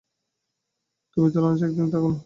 তুমি তো লাঞ্চে একদিনও থাকো না বাসায়।